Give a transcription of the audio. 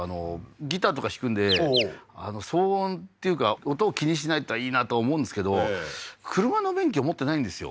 ギターとか弾くんで騒音っていうか音を気にしないっていうのはいいなと思うんですけど車の免許持ってないんですよ